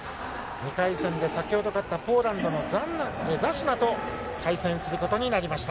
２回戦で先ほど勝った、ポーランドのザシナと対戦することになりました。